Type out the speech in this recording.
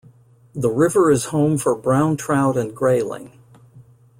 The river is home for Brown trout and Grayling.